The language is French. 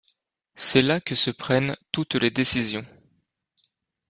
C'est là que se prennent toutes les décisions.